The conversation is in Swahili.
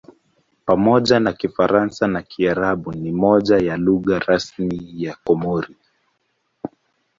Pamoja na Kifaransa na Kiarabu ni moja ya lugha rasmi ya Komori.